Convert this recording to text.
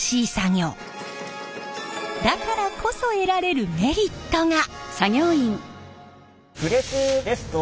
だからこそ得られるメリットが！